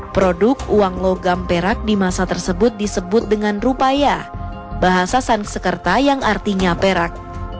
produk uang logam perak di masa tersebut disebut dengan rupaya bahasa sankesekerta yang artinya perak